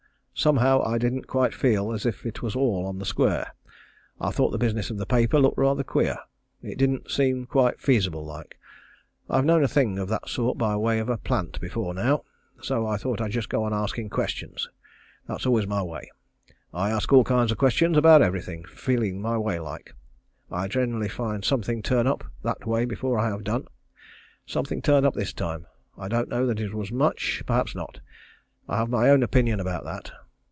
Somehow I didn't quite feel as if it was all on the square. I thought the business of the paper looked rather queer. It didn't seem quite feasible like. I have known a thing of that sort by way of a plant before now, so I thought I'd just go on asking questions. That's always my way. I ask all kinds of questions about every thing, feeling my way like. I generally find something turn up that way before I have done. Something turned up this time. I don't know that it was much perhaps not. I have my own opinion about that.